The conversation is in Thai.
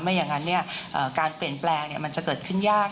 อย่างนั้นการเปลี่ยนแปลงมันจะเกิดขึ้นยาก